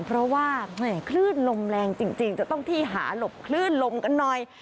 เพราะว่าคลื่นลมแรงจริงจะต้องที่หาหลบคลื่นลมกันหน่อย